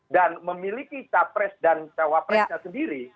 dan memiliki capres dan cawapresnya sendiri